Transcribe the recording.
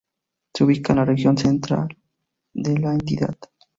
Se ubica en la región Centro de la entidad.